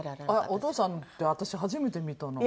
お父さんって私初めて見たな。